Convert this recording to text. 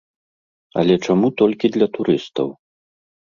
Але чаму толькі для турыстаў?